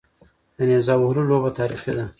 د نیزه وهلو لوبه تاریخي ده